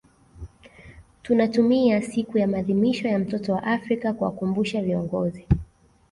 Tunatumia siku ya maadhimisho ya mtoto wa Afrika kuwakumbusha viongozi